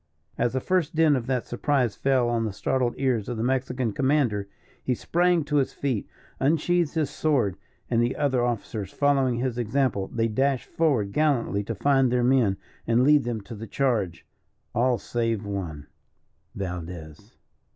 As the first din of that surprise fell on the startled ears of the Mexican commander, he sprang to his feet, unsheathed his sword, and the other officers following his example, they dashed forward gallantly to find their men, and lead them to the charge all save one, Valdez.